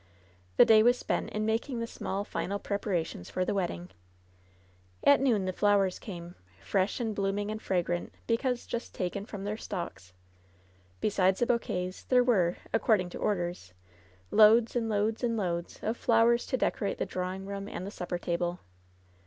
Thft day was spent in making the small final prepara tions for the wedding. At noon the flowers came, fresh and blooming and fragrant, because just taken from their stalks. Bo LOVE'S BITTEREST CUP 81 sides the bouquets, there were — according to order "loads and loads and loads'' of flowers to decorate the drawing room and the supper table.